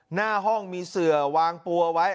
หน้าห้องมีเสือวางปัวไว้